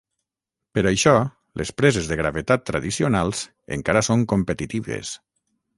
Per això les preses de gravetat tradicionals encara són competitives.